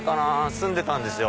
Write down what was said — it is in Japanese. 住んでたんですよ。